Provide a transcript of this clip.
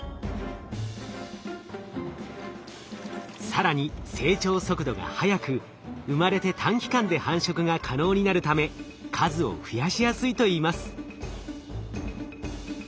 更に成長速度が速く生まれて短期間で繁殖が可能になるため数を増やしやすいといいます。